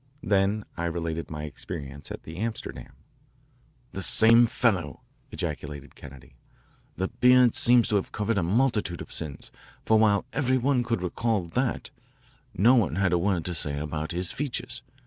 Then I related my experience at the Amsterdam. "The same fellow," ejaculated Kennedy. "The beard seems to have covered a multitude of sins, for while every one could recall that, no one had a word to say about his features.